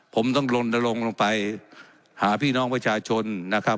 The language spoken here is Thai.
ผมต้องลนลงลงไปหาพี่น้องประชาชนนะครับ